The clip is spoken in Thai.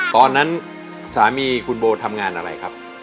ตอนนั้นสามีคุณโบทำงานอะไรครับ